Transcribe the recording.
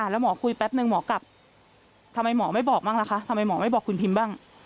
แล้วหมอคุยแป๊บนึงหมอกลับทำไมหมอไม่บอกบ้างล่ะคะทำไมหมอไม่บอกคุณพิมพ์บ้าง